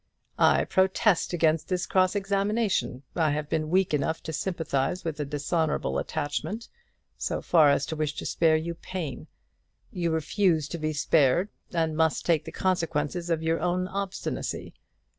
"I protest against this cross examination. I have been weak enough to sympathize with a dishonourable attachment, so far as to wish to spare you pain. You refuse to be spared, and must take the consequences of your own obstinacy.